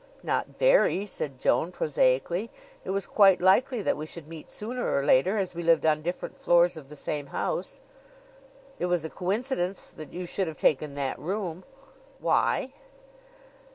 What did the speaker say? "Not very," said Joan prosaically. "It was quite likely that we should meet sooner or later, as we lived on different floors of the same house." "It was a coincidence that you should have taken that room." "Why?"